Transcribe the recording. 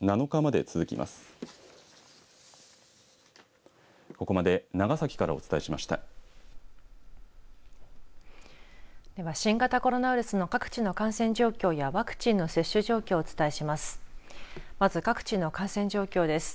では、新型コロナウイルスの各地の感染状況やワクチンの接種状況をお伝えします。